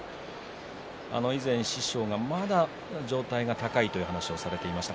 以前、師匠がまだ上体が高いという話をされていました。